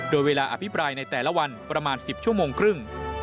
โดยเวลาอภิปรายในแต่ละวันประมาณ๑๐ชั่วโมงครึ่ง